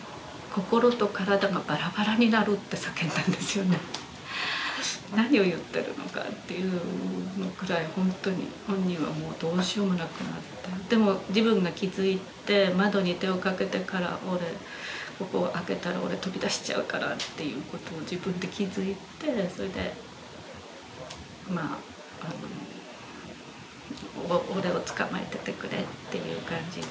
その時はもう何を言ってるのかというぐらいほんとに本人はもうどうしようもなくなってでも自分が気付いて窓に手をかけてから「俺ここを開けたら飛び出しちゃうから」っていう事を自分で気付いてそれでまあ「俺を捕まえててくれ」っていう感じで。